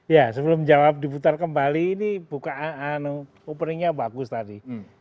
ya sebelum jawab diputar kembali ini buka openingnya bagus tadi